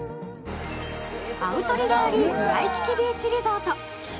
アウトリガー・リーフ・ワイキキ・ビーチ・リゾート。